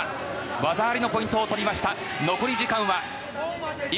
技ありのポイントを取りました。